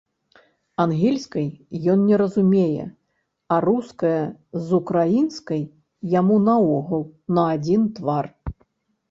Ангельскай ён не разумее, а руская з украінскай яму наогул на адзін твар.